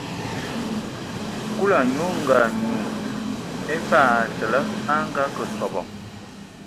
Kulu a nyugu anyu mfag Asǝlǝg a ngakǝ sɔbɔ.